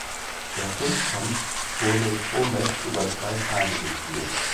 Der Fünfkampf wurde pro Match über zwei Tage gespielt.